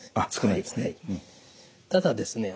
ただですね